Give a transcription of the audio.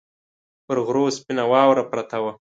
پر غرو سپینه واوره پرته وه